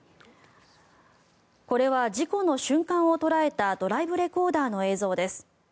これは事故の瞬間を捉えたドライブレコーダーの映像です。